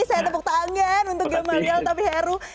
saya tepuk tangan untuk gamal galtapi heru